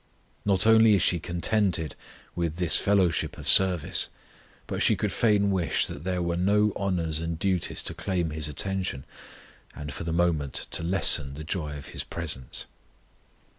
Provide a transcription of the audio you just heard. Not only is she contented with this fellowship of service, but she could fain wish that there were no honours and duties to claim His attention, and for the moment to lessen the joy of His presence.